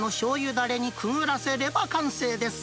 だれにくぐらせれば完成です。